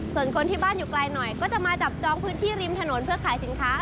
ส่วนคนที่บ้านอยู่ไกลหน่อยก็จะมาจับจองพื้นที่ริมถนนเพื่อขายสินค้า